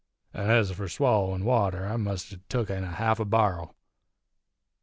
An' ez for swallerin' water I must 'a' tuk in half a bar'l.